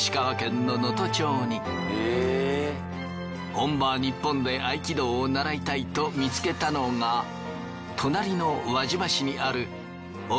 本場ニッポンで合気道を習いたいと見つけたのが隣の輪島市にある奥